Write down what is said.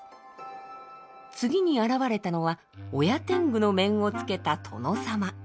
次に現れたのは親天狗の面をつけた殿様。